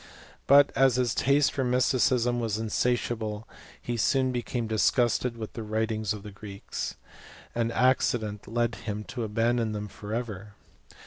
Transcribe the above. But as his taste for mysticism was insatial he soon became disgusted with the writings of Greeks ; an accident led him to abandon them . fofi • ever.